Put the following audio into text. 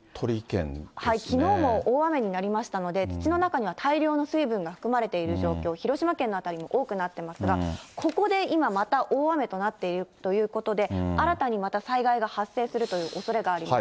きのうも大雨になりましたので、土の中には大量の水分が含まれている状況、広島県の辺り、多くなってますが、ここで今、また大雨となっているということで、新たにまた災害が発生するというおそれがあります。